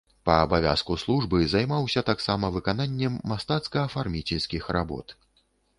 Па абавязку службы займаўся таксама выкананнем мастацка-афарміцельскіх работ.